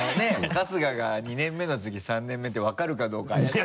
春日が２年目の次３年目って分かるかどうか怪しいからね。